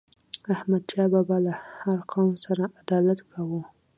احمد شاه بابا له هر قوم سره عدالت کاوه.